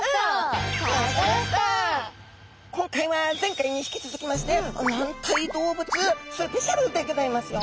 今回は前回に引き続きまして軟体動物スペシャルでギョざいますよ！